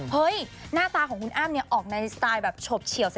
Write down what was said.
เฮ้ยหน้าตาของคุณอ้าวมิออกในสไตล์แบบเฉียว